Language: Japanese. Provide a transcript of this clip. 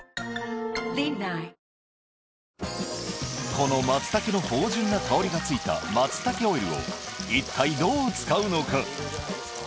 この松茸の芳じゅんな香りがついた松茸オイルを一体どう使うのか？